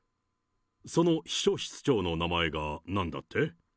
その秘書室長の名前がなんだって？